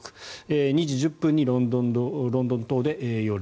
２時１０分にロンドン塔で栄誉礼。